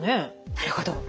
なるほど。